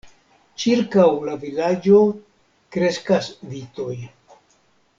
Ĉirkaŭ la vilaĝo kreskas vitoj.